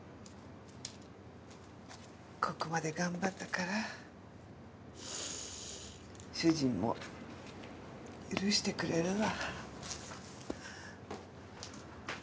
ここまで頑張ったから主人も許してくれるわ。